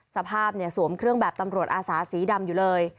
สภาพสวมเครื่องแบบตำรวจอาสาสีดำอยู่เลย